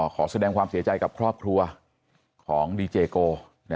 ขอแสดงความเสียใจกับครอบครัวของดีเจโก